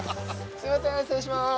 すいません失礼します